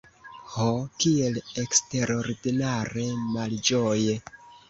Ho, kiel eksterordinare malĝoje!